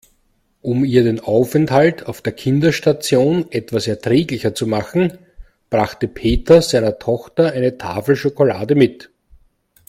Um ihr den Aufenthalt auf der Kinderstation etwas erträglicher zu machen, brachte Peter seiner Tochter eine Tafel Schokolade mit.